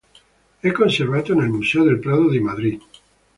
È conservato nel Museo del Prado di Madrid.